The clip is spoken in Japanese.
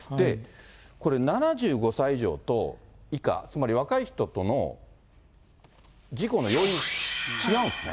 これ、７５歳以上と以下、つまり若い人との事故の要因、違うんですね。